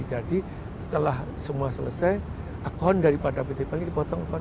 jadi setelah semua selesai akun daripada btp ini dipotong akun